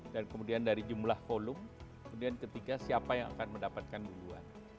dan kemudian dari jumlah kolum kemudian ketiga siapa yang akan mendapatkan duluan